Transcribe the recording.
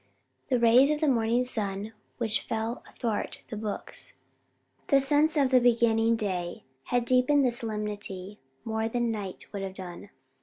The rays of the morning sun which fell athwart the books, the sense of the beginning day had deepened the solemnity more than night would have done.